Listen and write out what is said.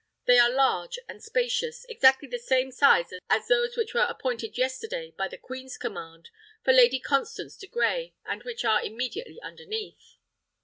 They are large and spacious; exactly the same size as those which were appointed yesterday, by the queen's command, for Lady Constance de Grey, and which are immediately underneath."